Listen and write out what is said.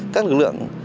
các lực lượng